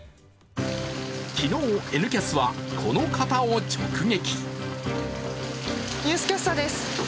昨日、「Ｎキャス」はこの方を直撃。